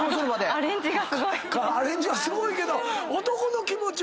アレンジはすごいけど。